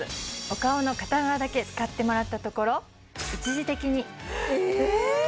お顔の片側だけ使ってもらったところ一時的にええ！？